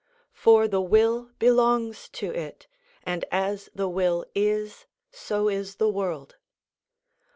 For the will belongs to it; and as the will is, so is the world.